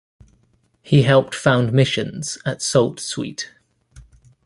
He helped found missions at Sault Ste.